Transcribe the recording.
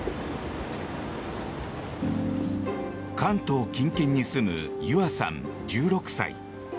関東近県に住むゆあさん、１６歳。